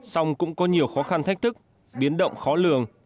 song cũng có nhiều khó khăn thách thức biến động khó lường